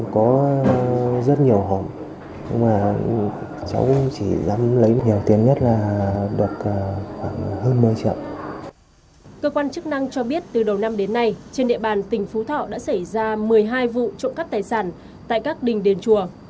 cơ quan chức năng cho biết từ đầu năm đến nay trên địa bàn tỉnh phú thọ đã xảy ra một mươi hai vụ trộm cắp tài sản tại các đình đền chùa